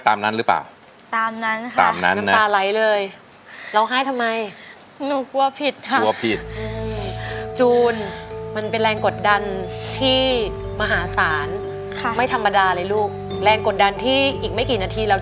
ช่างภาษามันเป็นไรแต่หัวใจฉันไม่เปลี่ยนตาม